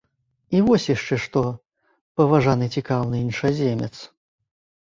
І вось яшчэ што, паважаны цікаўны іншаземец.